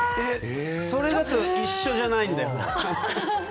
それだと一緒じゃないんだよな。